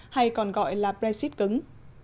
hay còn gọi là brexit cứng